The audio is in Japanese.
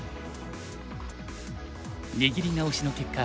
握り直しの結果